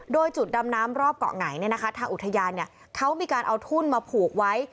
โดยจุดดำน้ำรอบเกาะไงทางอุทยานเขามีการเอาทุ่นมาผูกไว้